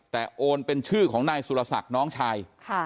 แต่โอนเป็นชื่อของนายสุรศักดิ์น้องชาย